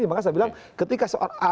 jadi makanya saya bilang ketika soal a